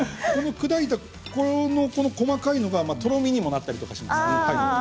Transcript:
砕いた細かいものがとろみにも、なったりします。